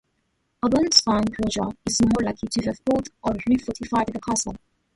Osbern's son, Roger, is more likely to have built or refortified the castle.